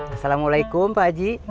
assalamualaikum pak haji